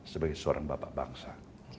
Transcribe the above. sebagai seorang bapak bangsa